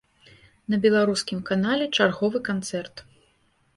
На беларускім канале чарговы канцэрт.